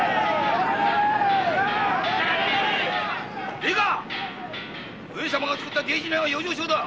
いいか上様がつくった大事な養生所だ。